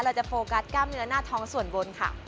โฟกัสกล้ามเนื้อหน้าท้องส่วนบนค่ะ